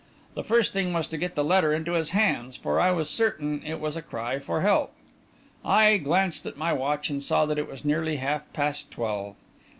The first thing was to get the letter into his hands, for I was certain that it was a cry for help. I glanced at my watch and saw that it was nearly half past twelve.